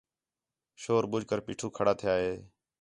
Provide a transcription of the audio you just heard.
شور ٻُجھ کر پیٹھو کھڑا تِھیا ہِے